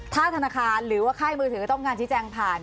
ถ้าธนาคารหรือว่าค่ายมือถือต้องการชี้แจงผ่าน